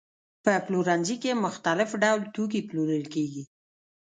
په پلورنځي کې مختلف ډول توکي پلورل کېږي.